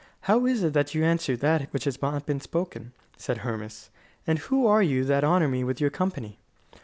"How is it that you answer that which has not been spoken?" said Hermas; "and who are you that honour me with your company?"